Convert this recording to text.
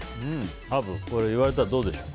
アブ、言われたらどうですか？